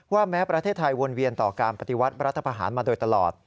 แม้ประเทศไทยวนเวียนต่อการปฏิวัติรัฐพาหารมาโดยตลอด